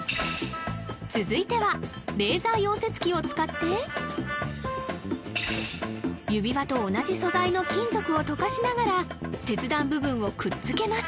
続いてはレーザー溶接機を使って指輪と同じ素材の金属を溶かしながら切断部分をくっつけます